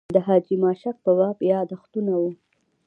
د حاجي ماشک په باب یاداښتونه و.